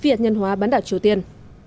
phi hạt nhân hóa bán đảo triều tiên